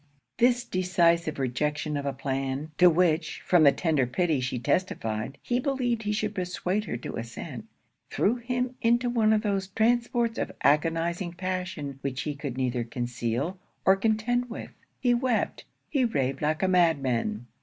This decisive rejection of a plan, to which, from the tender pity she testified, he believed he should persuade her to assent, threw him into one of those transports of agonizing passion which he could neither conceal or contend with. He wept; he raved like a madman.